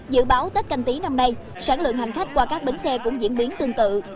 dự báo tết canh tí năm nay sản lượng hành khách qua các bến xe cũng diễn biến tương tự